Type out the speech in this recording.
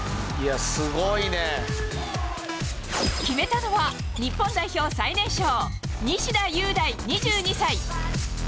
決めたのは、日本代表最年少西田優大、２２歳。